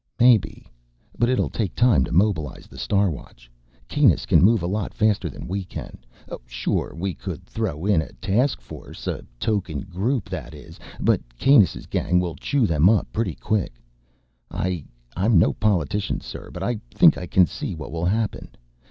"Maybe ... but it'll take time to mobilize the Star Watch ... Kanus can move a lot faster than we can. Sure, we could throw in a task force ... a token group, that is. But Kanus' gang will chew them up pretty quick. I ... I'm no politician, sir, but I think I can see what will happen.